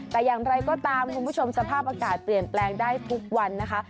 แต่อย่างไรก็ตามคุณผู้ชมสภาพอากาศเปลี่ยนแปลงได้ทุกวันนะคะ